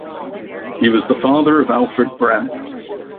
He was the father of Alfred Brehm.